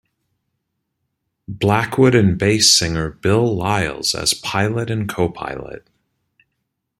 Blackwood and bass singer Bill Lyles as pilot and co-pilot.